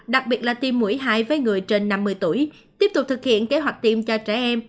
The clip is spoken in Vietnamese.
đặc biệt là tiêm mũi hai với người trên năm mươi tuổi tiếp tục thực hiện kế hoạch tiêm cho trẻ em